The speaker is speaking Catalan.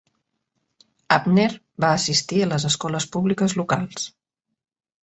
Abner va assistir a les escoles públiques locals.